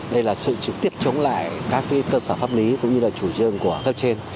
đây là sự tiết chống lại các cơ sở pháp lý cũng như là chủ trương của cấp trên